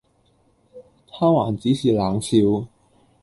他還只是冷笑，